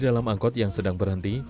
para anak jalanan ini tidak berhenti